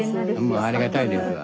もうありがたいですわ。